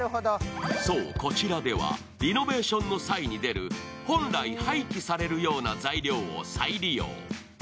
そう、こちらではリノベーションの際に出る本来廃棄されるような材料を再利用。